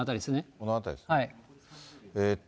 この辺りですね。